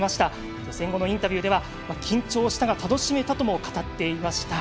予選後のインタビューでは緊張したけど楽しめたとも語っていました。